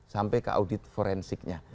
sampai ke audit forensiknya